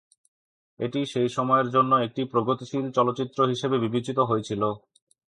এটি সেই সময়ের জন্য একটি প্রগতিশীল চলচ্চিত্র হিসেবে বিবেচিত হয়েছিল।